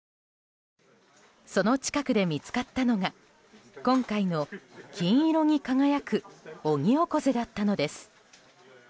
その近くで見つかったのが今回の金色に輝くオニオコゼだったのです。